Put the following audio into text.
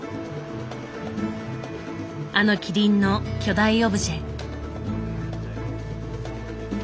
あの麒麟の巨大オブジェ。